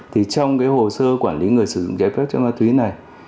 trong hồ sơ quản lý người sử dụng trái phép chất ma túy này